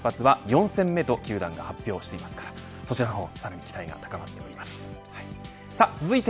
大谷選手の先発は４戦目と球団が発表していますからそちらの方さらに期待が高まっています。